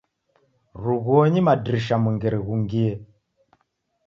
Rughuonyi madirisha mwengere ghungie.